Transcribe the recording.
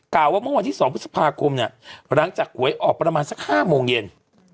่าว่าเมื่อวันที่๒พฤษภาคมเนี่ยหลังจากหวยออกประมาณสัก๕โมงเย็น